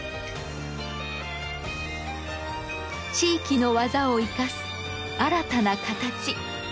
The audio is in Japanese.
地域の技を生かす新たな形。